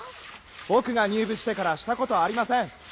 僕が入部してからしたことありません。